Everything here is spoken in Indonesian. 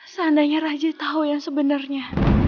seandainya raja tahu yang sebenarnya